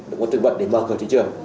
các nguồn thực vật để mở cửa thị trường